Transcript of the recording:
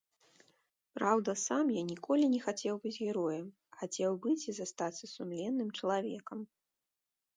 Праўда, сам я ніколі не хацеў быць героем, хацеў быць і застацца сумленным чалавекам.